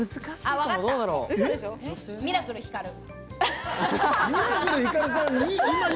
ミラクルひかる。